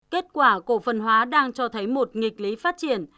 kết quả cổ phần hóa đang cho thấy một nghịch lý phát triển